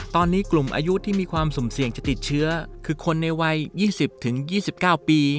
ตอนนี้กลุ่มอายุที่มีความสูงเสี่ยงจะติดเชื้อคือคนในวัยยี่สิบถึงยี่สิบเก้าปี